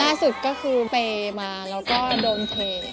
ล่าสุดก็คือเปย์มาแล้วก็โดนเทรด